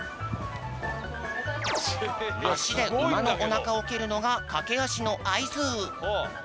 あしでうまのおなかをけるのがかけあしのあいず。